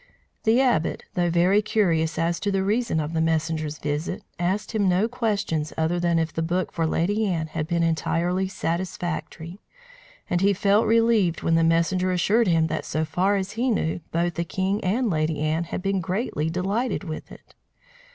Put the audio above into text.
The Abbot, though very curious as to the reason of the messenger's visit, asked him no questions other than if the book for Lady Anne had been entirely satisfactory; and he felt relieved when the messenger assured him that so far as he knew both the king and Lady Anne had been greatly delighted with it.